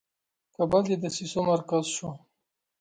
کابل د دسیسو مرکز شو.